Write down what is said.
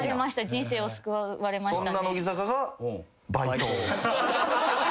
人生を救われましたね。